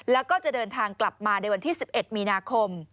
แล้วก็จะเดินทางกลับมาในวันที่๑๑มีนาคม